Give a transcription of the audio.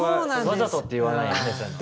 わざとって言わないですね